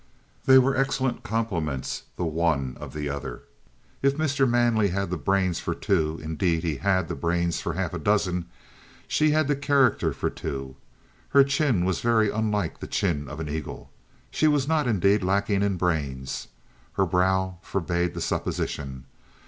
They were excellent complements the one of the other. If Mr. Manley had the brains for two indeed, he had the brains for half a dozen she had the character for two. Her chin was very unlike the chin of an eagle. She was not, indeed, lacking in brains. Her brow forbade the supposition.